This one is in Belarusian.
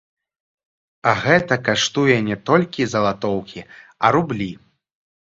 А гэта каштуе не толькі залатоўкі, а рублі.